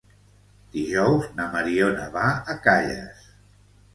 Dijous na Mariona va a Calles.